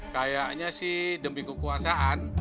kayaknya sih demi kekuasaan